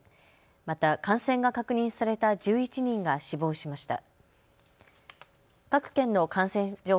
また感染が確認された１１人が死亡しました。